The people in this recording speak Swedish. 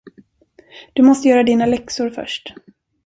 Du måste göra dina läxor först.